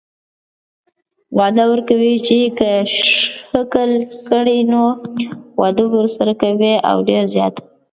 وعده ورکوي چې که يې ښکل کړي نو واده ورسره کوي او ډيره زياته